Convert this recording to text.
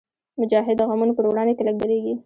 مجاهد د غمونو پر وړاندې کلک درېږي.